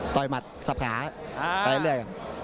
ต่อยหมัดสับหาไปเรื่อยกัน